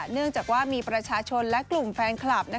เนื่องจากว่ามีประชาชนและกลุ่มแฟนคลับ